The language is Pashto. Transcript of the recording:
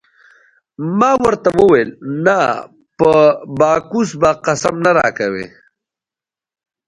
ما ورته وویل: نه په باکوس به قسم نه راکوې.